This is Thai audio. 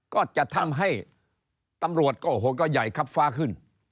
ก็จะทำให้ตำรวจก็ใหญ่ขับฟ้าขึ้น